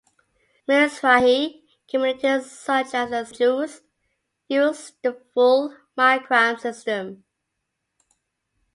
Mizrahi communities such as the Syrian Jews use the full maqam system.